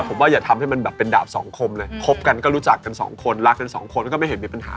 ผมว่าอย่าทำให้มันแบบเป็นดาบสองคมเลยคบกันก็รู้จักกันสองคนรักกันสองคนก็ไม่เห็นมีปัญหา